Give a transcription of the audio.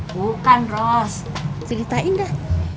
bukan ros ceritain dah